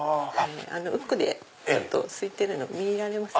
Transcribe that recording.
奥ですいてるの見られます？